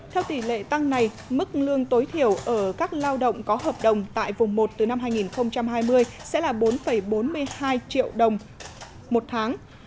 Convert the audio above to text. theo tỷ lệ tăng này mức lương tối thiểu ở các lao động có hợp đồng tại vùng một từ năm hai nghìn hai mươi sẽ là bốn bốn mươi hai triệu đồng một tháng